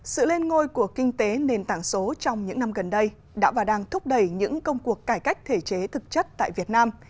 sự lên ngôi của kinh tế nền tảng số trong những năm gần đây đã và đang thúc đẩy những công cuộc cải cách thể chế thực chất tại việt nam